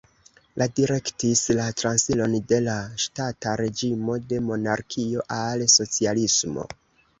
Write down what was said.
Li direktis la transiron de la ŝtata reĝimo de monarkio al socialismo.